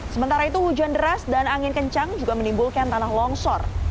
sementara itu hujan deras dan angin kencang juga menimbulkan tanah longsor